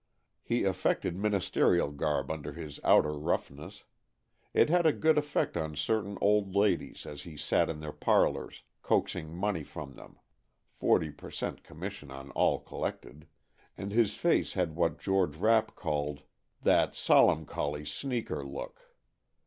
He affected ministerial garb under his outer roughness; it had a good effect on certain old ladies as he sat in their parlors coaxing money from them (forty per cent, commission on all collected), and his face had what George Rapp called "that solemncholy sneaker" look.